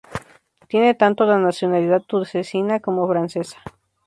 Tiene tanto la nacionalidad tunecina como francesa.